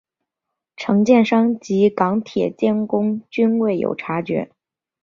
承建商及港铁监工均未有察觉。